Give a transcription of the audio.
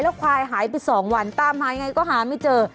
ควายหายไป๒วันตามหายังไงก็หาไม่เจอ